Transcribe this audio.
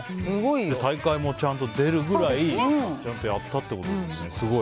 大会もちゃんと出るくらいちゃんとやったってことですね。